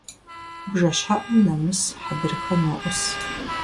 БжэщхьэӀум нэмыс хьэдрыхэ ноӀус.